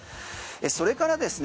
それからですね